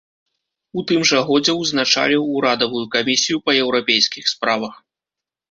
У тым жа годзе узначаліў урадавую камісію па еўрапейскіх справах.